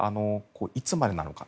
いつまでなのか。